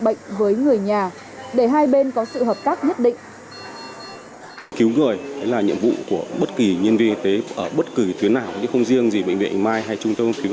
bệnh với người nhà để hai bên có sự hợp tác nhất định